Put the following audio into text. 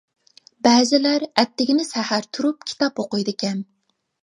بەزىلەر ئەتىگىنى سەھەر تۇرۇپ كىتاب ئوقۇيدىكەن.